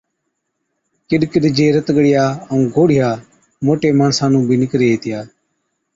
ڪِڏ ڪِڏ جي رت ڳڙِيا ائُون گوڙهِيا موٽي ماڻسا نُون بِي نِڪري هِتِيا